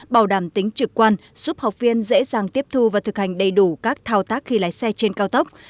bảo đảm tính trực quan giúp học viên dễ dàng tiếp thu và thực hành đầy đủ các thao tác khi lái xe trên cao tốc